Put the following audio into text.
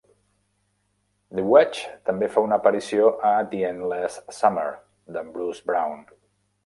The Wedge també fa una aparició a "The Endless Summer", d'en Bruce Brown.